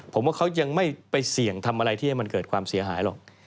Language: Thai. ผมว่าเขายังไม่ไปเสี่ยงทำอะไรที่ให้มันเกิดความเสียหายหรอก